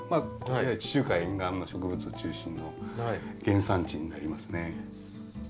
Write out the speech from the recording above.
地中海沿岸の植物中心の原産地になりますね。